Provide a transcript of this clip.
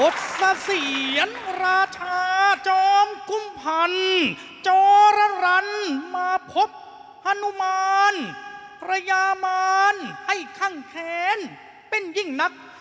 สะเสียนราชาจอมกุมพันธ์จรรย์มาพบฮานุมานพระยามารให้คั่งแขนเป็นยิ่งนัก